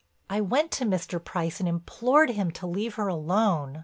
"I went to Mr. Price and implored him to leave her alone.